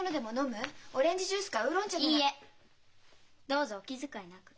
どうぞお気遣いなく。